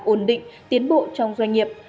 ổn định tiến bộ trong doanh nghiệp